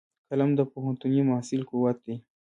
قلم د پوهنتوني محصل قوت دی